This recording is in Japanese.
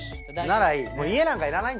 ならいい。